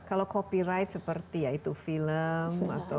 kalau copyright seperti ya itu film atau